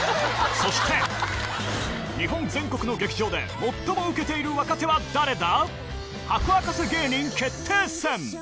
そして、日本全国の劇場で最もウケている若手は誰だ？